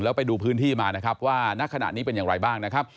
แล้วไปดูพื้นที่มานะครับว่าณขณะนี้เป็นอย่างไรบ้างนะครับ